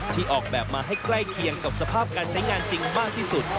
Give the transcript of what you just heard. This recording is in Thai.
ที่ออกแบบมาให้ใกล้เคียงกับสภาพการใช้งานจริงมากที่สุด